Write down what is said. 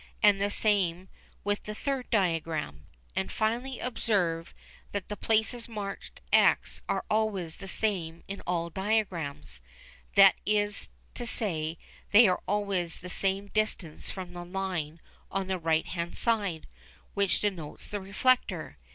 And the same with the third diagram. And finally observe that the places marked x are always the same in all the diagrams that is to say, they are always the same distance from the line on the right hand side, which denotes the reflector.